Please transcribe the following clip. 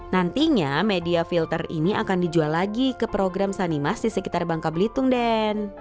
nantinya media filter ini akan dijual lagi ke program sanimas di sekitar bangka belitung den